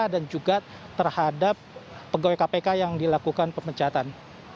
dan juga terhadap pegawai kpk yang dilakukan pemecatan